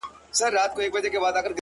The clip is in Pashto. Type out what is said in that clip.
که څوک پر چا زيري وکړي، چي زوی دي راغلی.